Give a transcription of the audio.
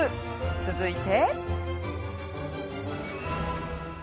続いて。